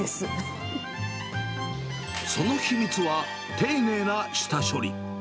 その秘密は、丁寧な下処理。